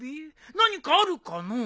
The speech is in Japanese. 何かあるかのう？